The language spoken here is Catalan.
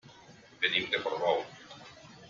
Venim de Portbou.